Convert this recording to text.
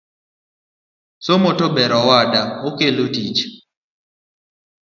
Somo tober owada, okelo tich